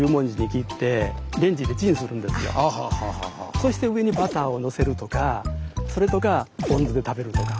そして上にバターをのせるとかそれとかぽん酢で食べるとか。